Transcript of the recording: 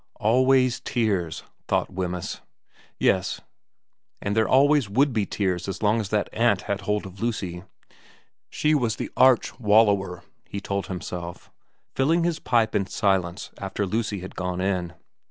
54 VERA v Always tears, thought Wemyss. Yes, and there always would be tears as long as that aunt had hold of Lucy. She was the arch wallower, he told himself, filling his pipe in silence after Lucy had gone in.